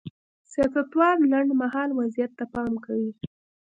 سیاستوال لنډ مهال وضعیت ته پام کوي.